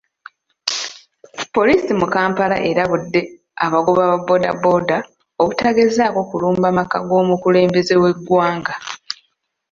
Poliisi mu Kampala erabudde abagoba ba boda boda obutagezaako kulumba maka g'omukulembeze w'eggwanga.